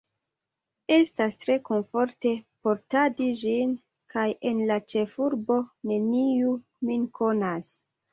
Estas tre komforte portadi ĝin, kaj en la ĉefurbo neniu min konas.